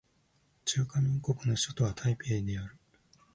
中華民国の首都は台北である